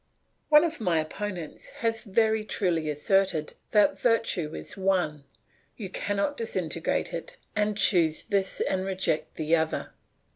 One of my opponents has very truly asserted that virtue is one; you cannot disintegrate it and choose this and reject the other.